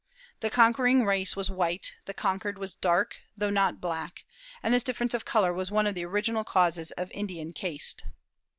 The conquering race was white, the conquered was dark, though not black; and this difference of color was one of the original causes of Indian caste.